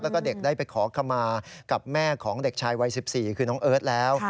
แล้วก็เด็กได้ไปขอขมากับแม่ของเด็กชายวัย๑๔คือน้องเอิร์ทแล้ว